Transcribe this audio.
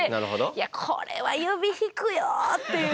いやこれは指弾くよっていう。